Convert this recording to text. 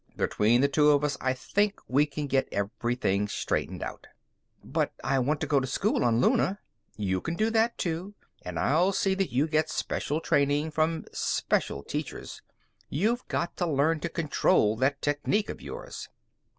Between the two of us. I think we can get everything straightened out." "But I want to go to school on Luna." "You can do that, too. And I'll see that you get special training, from special teachers. You've got to learn to control that technique of yours."